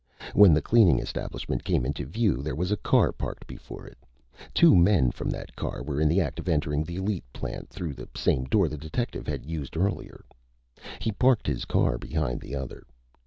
When the cleaning establishment came into view, there was a car parked before it. Two men from that car were in the act of entering the Elite plant through the same door the detective had used earlier. He parked his car behind the other.